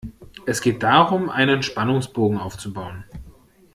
Es geht darum, einen Spannungsbogen aufzubauen.